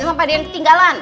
sampai ada yang ketinggalan